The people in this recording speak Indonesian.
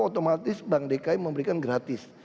otomatis bank dki memberikan gratis